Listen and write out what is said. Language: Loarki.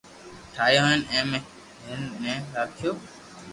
ٺايو ھين اي ۾ ھيرن ني راکييو